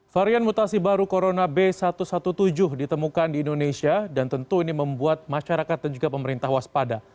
varian mutasi baru corona b satu satu tujuh ditemukan di indonesia dan tentu ini membuat masyarakat dan juga pemerintah waspada